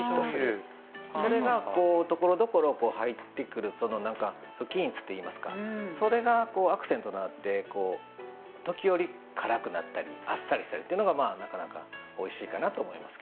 それが、ところどころ入ってくる不均一といいますかそれがアクセントとなって時折、辛くなったりあっさりしたりというのがなかなかおいしいかなと思います。